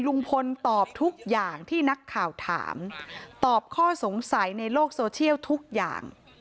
ลุงพลตอบทุกอย่างที่นักข่าวถามตอบข้อสงสัยในโลกโซเชียลทุกอย่าง